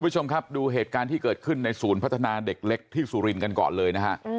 คุณผู้ชมครับดูเหตุการณ์ที่เกิดขึ้นในศูนย์พัฒนาเด็กเล็กที่สุรินทร์กันก่อนเลยนะฮะ